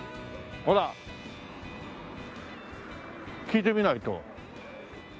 聞いてみないと。